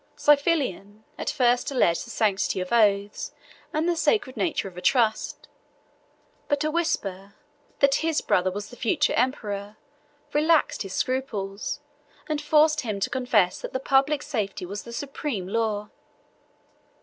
Xiphilin at first alleged the sanctity of oaths, and the sacred nature of a trust; but a whisper, that his brother was the future emperor, relaxed his scruples, and forced him to confess that the public safety was the supreme law.